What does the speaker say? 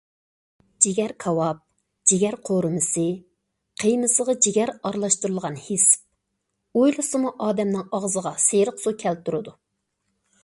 جىگەر كاۋاپ، جىگەر قورۇمىسى، قىيمىسىغا جىگەر ئارىلاشتۇرۇلغان ھېسىپ... ئويلىسىمۇ ئادەمنىڭ ئاغزىغا سېرىق سۇ كەلتۈرىدۇ.